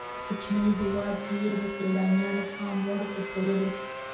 کوچنی هېواد یې د سیلانیانو پام وړ ګرځولی.